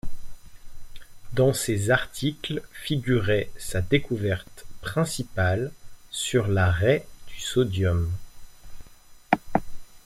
Dans ces articles figuraient sa découverte principale sur la raie du sodium.